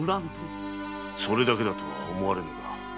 それだけだとは思われぬが。